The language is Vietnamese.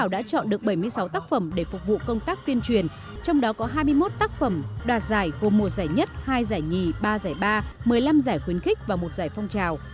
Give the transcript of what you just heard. đạt giải của một giải nhất hai giải nhì ba giải ba một mươi năm giải khuyến khích và một giải phong trào